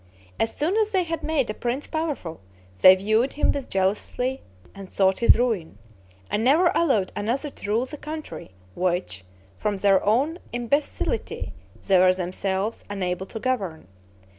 As soon as they had made a prince powerful, they viewed him with jealousy and sought his ruin; and never allowed another to rule the country, which, from their own imbecility, they were themselves unable to govern.